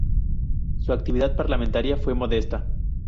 Su actividad parlamentaria fue modesta.